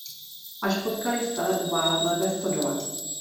Až potkaly sele uvázlé ve stodole.